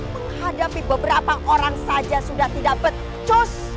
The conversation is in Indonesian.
menghadapi beberapa orang saja sudah tidak pecos